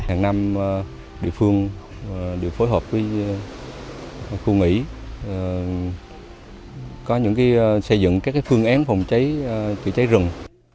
hàng năm địa phương đều phối hợp với khu nghỉ có những xây dựng các phương án phòng cháy chữa cháy rừng